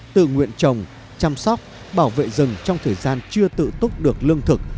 tự nguyện trồng chăm sóc bảo vệ rừng trong thời gian chưa tự túc được lương thực